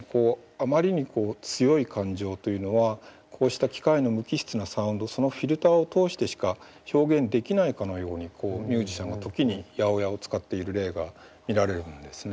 あまりにこう強い感情というのはこうした機械の無機質なサウンドそのフィルターを通してしか表現できないかのようにミュージシャンが時に８０８を使っている例が見られるんですね。